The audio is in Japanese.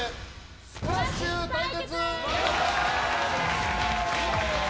スプラッシュ対決！